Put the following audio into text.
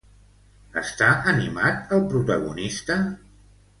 Està animat el protagonista?